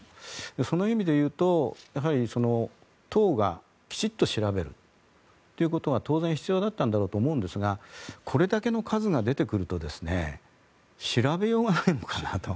その意味で言うと党がきちんと調べるということが当然、必要だったんだろうと思うんですがこれだけの数が出てくると調べようがないのかなと。